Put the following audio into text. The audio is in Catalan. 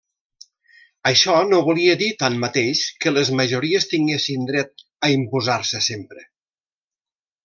Això no volia dir, tanmateix, que les majories tinguessin dret a imposar-se sempre.